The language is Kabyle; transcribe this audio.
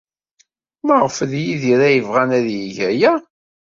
Maɣef d Yidir ay bɣan ad yeg aya?